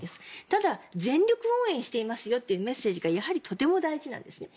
ただ全力応援してしますよというメッセージがとても大事なんですね。